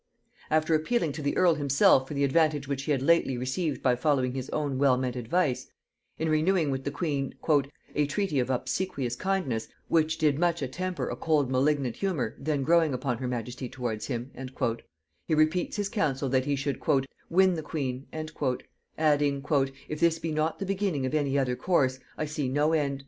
After appealing to the earl himself for the advantage which he had lately received by following his own well meant advice, in renewing with the queen "a treaty of obsequious kindness," which "did much attemper a cold malignant humor then growing upon her majesty towards him," he repeats his counsel that he should "win the queen;" adding, "if this be not the beginning of any other course, I see no end.